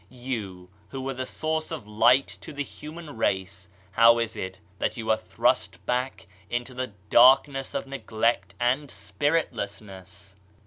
You who were the source of light to the human race — how is it that you are thrast back into the darkness of neglect and spiritlessness?